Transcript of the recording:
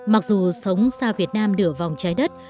mặc dù sống xa việt nam nửa vòng trái đất